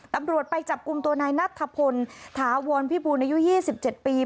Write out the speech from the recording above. ตำรวจไปจับกลุ่มตัวนายนัทธพลถาวรพิบูรอายุ๒๗ปี